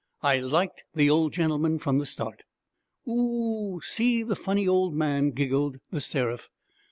I liked the old gentleman from the start. 'Oo o! See the funny old man!' giggled The Seraph.